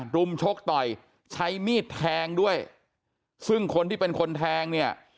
รุมชกต่อยใช้มีดแทงด้วยซึ่งคนที่เป็นคนแทงเนี่ย